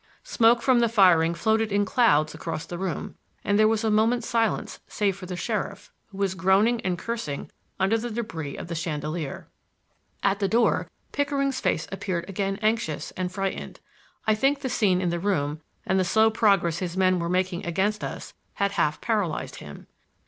Smoke from the firing floated in clouds across the room, and there was a moment's silence save for the sheriff, who was groaning and cursing under the debris of the chandelier. At the door Pickering's face appeared again anxious and frightened. I think the scene in the room and the slow progress his men were making against us had half paralyzed him.